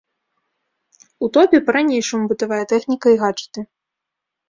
У топе па-ранейшаму бытавая тэхніка і гаджэты.